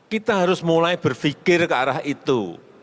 kita harus mulai berpikir ke arah itu